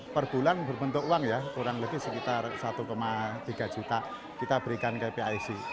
per bulan berbentuk uang ya kurang lebih sekitar satu tiga juta kita berikan ke pic